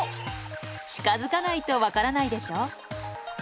近づかないと分からないでしょ？